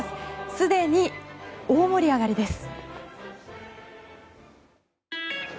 すでに大盛り上がりです。